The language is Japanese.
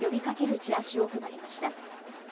チラシを配りました。